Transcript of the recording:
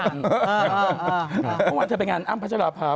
เมื่อวานเธอไปงานอ้ำพัชราภา